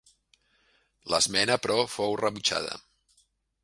L'esmena, però, fou rebutjada.